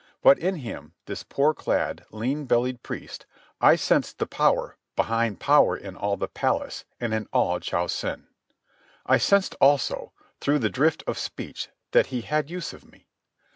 But in him, this poor clad, lean bellied priest, I sensed the power behind power in all the palace and in all Cho Sen. I sensed also, through the drift of speech, that he had use of me.